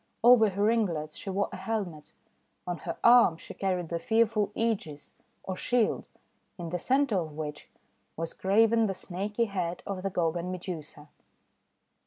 Over her ringlets she wore a helmet. On her arm she carried the fearful segis — or shield — in the centre of which was graven the snaky head of the Gorgon Medusa.